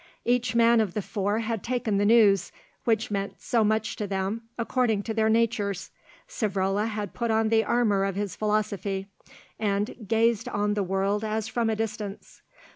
Each man of the four had taken the news, which meant so much to them, according to their natures. Savrola had put on the armour of his philosophy, and gazed on the world as from a distance.